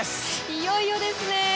いよいよですね。